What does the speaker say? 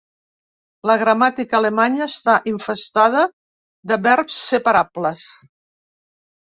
La gramàtica alemanya està infestada de verbs separables.